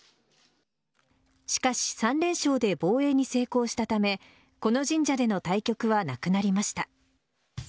しかし３連勝で防衛に成功したためこの神社での対局はなくなりました。